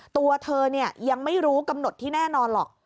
ตัวเธอยังไม่รู้กำหนดที่แน่นอนหรอก